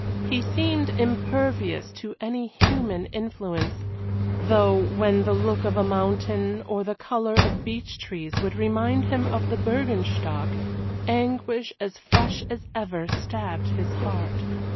He seemed impervious to any human influence, though when the look of a mountain or the colour of beech trees would remind him of the Bürgenstock anguish as fresh as ever stabbed his heart.